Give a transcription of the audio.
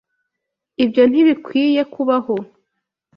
Ibyo ntibikwiye kubaho.